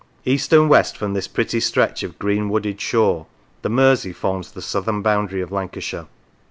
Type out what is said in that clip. East and west from this pretty stretch of green wooded shore the Mersey forms the southern boundary of Lancashire.